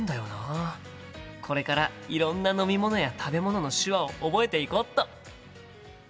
これからいろんな飲み物や食べ物の手話を覚えていこっと！